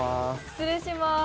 失礼します。